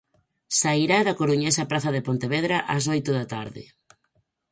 Sairá da coruñesa Praza de Pontevedra ás oito da tarde.